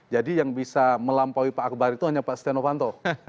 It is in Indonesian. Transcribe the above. jadi yang bisa melampaui pak akbar itu hanya pak stianofanto